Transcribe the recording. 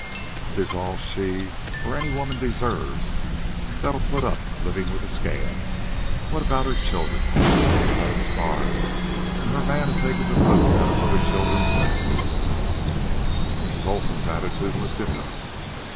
"'Tis all she or any woman deserves that'll put up an' live with a scab. What about her children? Let'm starve, an' her man a takin' the food out of other children's mouths." Mrs. Olsen's attitude was different.